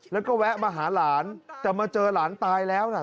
แล้วก็แวะมาหาหลานแต่มาเจอหลานตายแล้วน่ะ